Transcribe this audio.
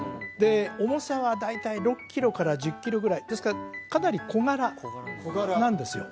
で重さは大体６キロから１０キロぐらいですからかなり小柄なんですよ